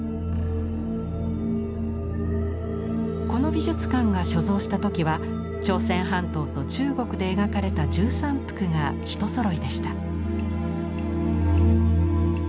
この美術館が所蔵した時は朝鮮半島と中国で描かれた１３幅が一そろいでした。